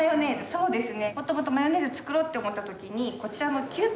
そうですね。